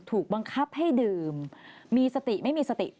ถูกบังคับให้ดื่มมีสติไม่มีสติ